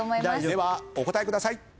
ではお答えください。